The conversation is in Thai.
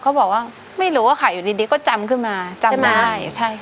เขาบอกว่าไม่รู้อะค่ะอยู่ดีดีก็จำขึ้นมาจำได้ใช่ค่ะ